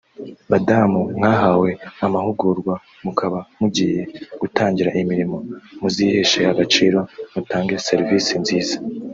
Badamu mwahawe amahugurwa mukaba mugiye gutangira imirimo muziheshe agaciro mutange serivisi nziza